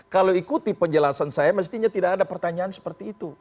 kalau ikuti penjelasan saya mestinya tidak ada pertanyaan seperti itu